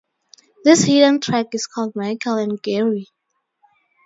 This hidden track is called "Michael and Geri".